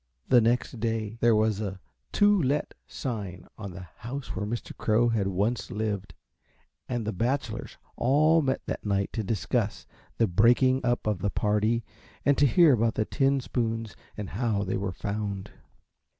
The next day there was a to let sign on the house where Mr. Crow had once lived, and the bachelors all met that night to discuss the breaking up of the party and to hear about the tin spoons and how they were found.